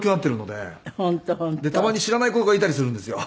でたまに知らない子がいたりするんですよ。